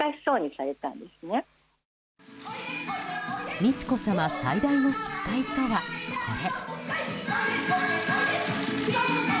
美智子さま最大の失敗とは、これ。